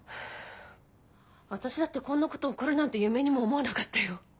私だってこんなこと起こるなんて夢にも思わなかったよ。